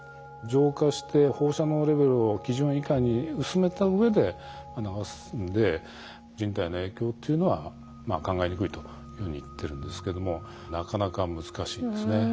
浄化して放射能レベルを基準以下に薄めたうえで流すんで人体への影響っていうのは考えにくいというふうに言ってるんですけどもなかなか難しいんですね。